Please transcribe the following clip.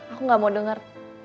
aku gak mau denger